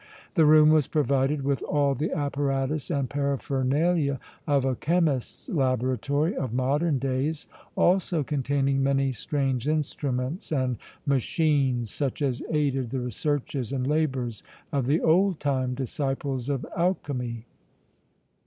The room was provided with all the apparatus and paraphernalia of a chemist's laboratory of modern days, also containing many strange instruments and machines such as aided the researches and labors of the old time disciples of alchemy.